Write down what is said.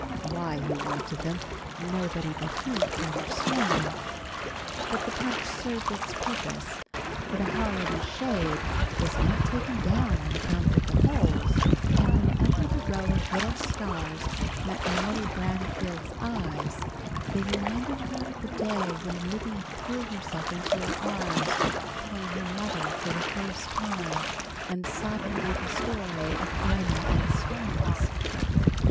Why he wanted them nobody but he could understand. But the punch served its purpose, for the Holland shade was not taken down on account of the holes, and whenever the row of little stars met Molly Branfield's eyes, they reminded her of the day when Libby threw herself into her arms, calling her "Mother" for the first time, and sobbing out the story of Ina and the swans.